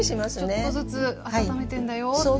ちょっとずつ温めてるんだよと。